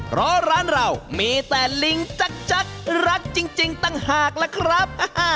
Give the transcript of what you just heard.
เพราะร้านเรามีแต่ลิงจักรรักจริงต่างหากล่ะครับ